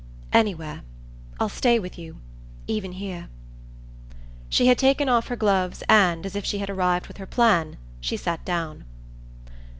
"Anywhere. I'll stay with you. Even here." She had taken off her gloves and, as if she had arrived with her plan, she sat down.